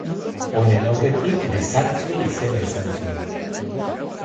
Honen aurretik Bizantzio izena izan zuen.